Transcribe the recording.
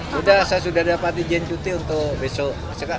sudah saya sudah dapat izin cuti untuk besok